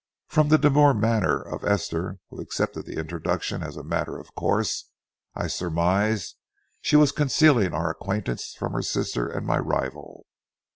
From the demure manner of Esther, who accepted the introduction as a matter of course, I surmised she was concealing our acquaintance from her sister and my rival.